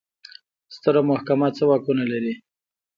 ستره محکمه څه واکونه لري؟